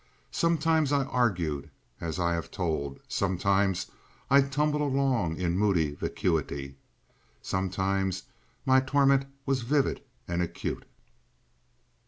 Sometimes I argued as I have told, sometimes I tumbled along in moody vacuity, sometimes my torment was vivid and acute.